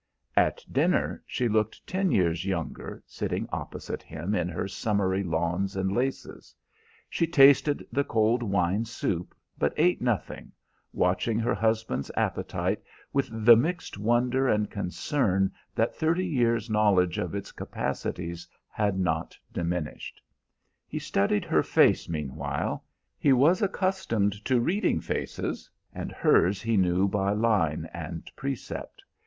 At dinner she looked ten years younger, sitting opposite him in her summery lawns and laces. She tasted the cold wine soup, but ate nothing, watching her husband's appetite with the mixed wonder and concern that thirty years' knowledge of its capacities had not diminished. He studied her face meanwhile; he was accustomed to reading faces, and hers he knew by line and precept.